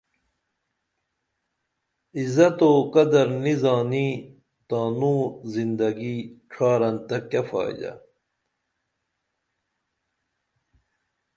عزت او قدر نی زانی تانوں زندگی ڇھارن تہ کیہ فائدہ